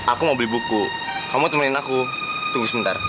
aku mau beli buku kamu temenin aku tunggu sebentar